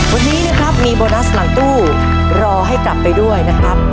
วันนี้นะครับมีโบนัสหลังตู้รอให้กลับไปด้วยนะครับ